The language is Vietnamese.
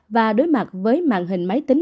và đối mặt với mạng hình máy tính